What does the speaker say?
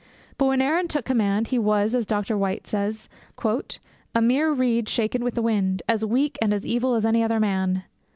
But when Aaron took command, he was, as Dr. Whyte says, 'a mere reed shaken with the wind; as weak and as evil as any other man.